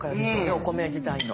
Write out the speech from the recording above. お米自体の。